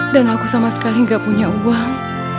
dan aku sama sekali gak punya uang